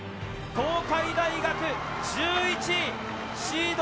東海大学１１位。